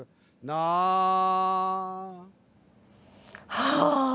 ・はあ！